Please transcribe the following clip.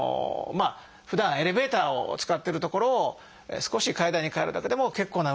ふだんエレベーターを使ってるところを少し階段に替えるだけでも結構な運動になります。